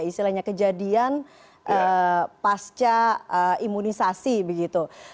istilahnya kejadian pasca imunisasi begitu